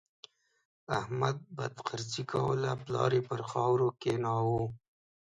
احمد بدخرڅي کوله؛ پلار يې پر خاورو کېناوو.